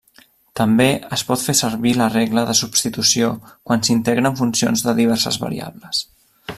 També es pot fer servir la regla de substitució quan s'integren funcions de diverses variables.